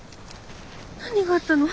何があったの？